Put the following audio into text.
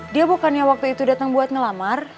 dia bukannya waktu itu datang buat ngelamar